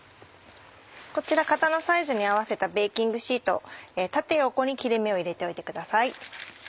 こちら型のサイズに合わせたベーキングシート縦横に切れ目を入れておいてください。